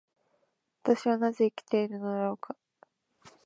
私はなぜ生きているのだろうか。